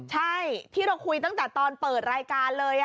ใช่ที่เราคุยตั้งแต่ตอนเปิดรายการเลย